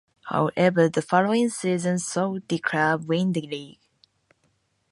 However, the following season saw the club win the league.